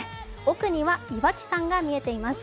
奥には岩木山が見えています。